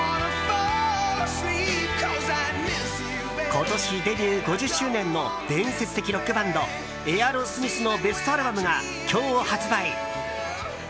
今年デビュー５０周年の伝説的ロックバンドエアロスミスのベストアルバムが今日発売。